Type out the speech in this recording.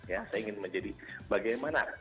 saya ingin menjadi bagaimana